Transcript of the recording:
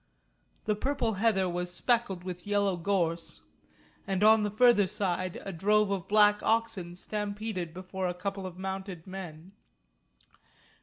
The purple heather was speckled with yellow gorse, and on the further side a drove of black oxen stampeded before a couple of mounted men.